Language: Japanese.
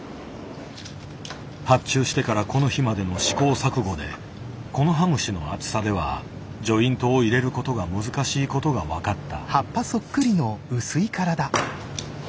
発注してからこの日までの試行錯誤でコノハムシの厚さではジョイントを入れることが難しいことが分かった。